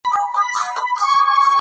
کینه د ژوند توري څنډه ده.